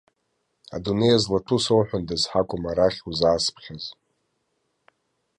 Адунеи злаҭәу соуҳәандаз ҳәа акәым арахь узаасԥхьаз!